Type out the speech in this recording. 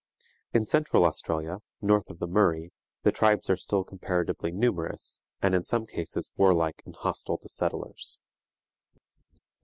In Central Australia, north of the Murray, the tribes are still comparatively numerous, and in some cases warlike and hostile to settlers.